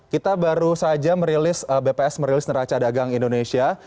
kita baru saja merilis bps merilis neraca dagang indonesia